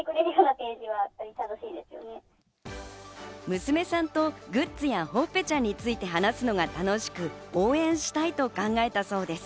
娘さんとグッズや、ほっぺちゃんについて話すのが楽しく、応援したいと考えたそうです。